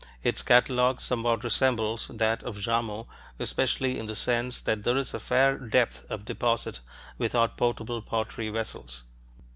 Its catalogue somewhat resembles that of Jarmo, especially in the sense that there is a fair depth of deposit without portable pottery vessels.